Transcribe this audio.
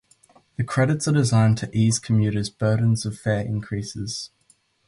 The credits are designed to ease commuters' burdens of fare increases.